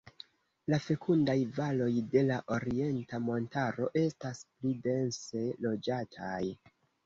La fekundaj valoj de la Orienta Montaro estas pli dense loĝataj.